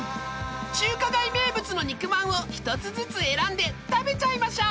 ［中華街名物の肉まんを１つずつ選んで食べちゃいましょう］